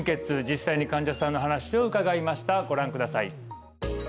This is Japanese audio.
実際に患者さんの話を伺いましたご覧ください